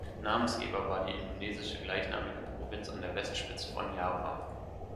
Namensgeber war die indonesische gleichnamige Provinz an der Westspitze von Java.